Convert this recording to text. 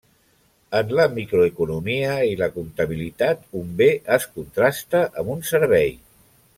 En la microeconomia i la comptabilitat un bé es contrasta amb un servei.